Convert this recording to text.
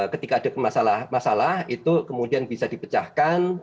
ketika ada masalah itu kemudian bisa dipecahkan